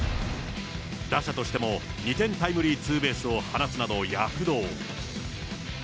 打者としても、２点タイムリーツーベースを放つなど躍動。